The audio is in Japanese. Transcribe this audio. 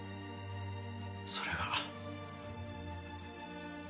それが。